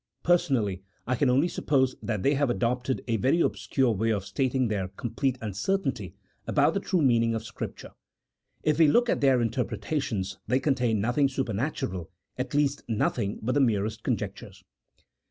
Personally, I can only suppose that they have adopted a very obscure way of stating their com plete uncertainty about the true meaning of Scripture. If we look at their interpretations, they contain nothing supernatural, at least nothing but the merest conjectures.